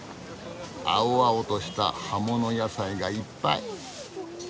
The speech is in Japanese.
青々とした葉もの野菜がいっぱい。